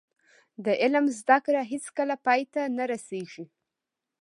د علم زده کړه هیڅکله پای ته نه رسیږي.